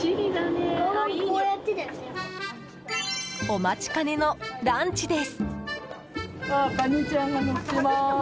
お待ちかねのランチです。